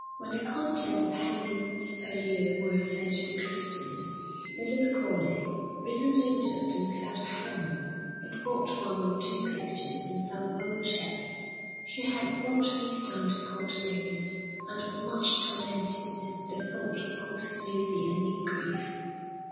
When the contents of Hamlyn's Purlieu were sent to Christy's, Mrs. Crowley, recently widowed and without a home, had bought one or two pictures and some old chairs. She had brought these down to Court Leys, and was much tormented at the thought of causing Lucy a new grief.